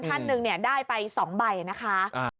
ท่านนึงเนี่ยได้ไป๒ใบนะคะ